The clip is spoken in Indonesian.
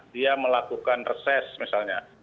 dia melakukan reses misalnya